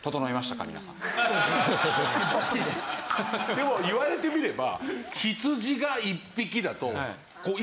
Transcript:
でも言われてみれば。